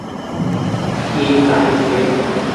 اي ڪآئي ڇي ۔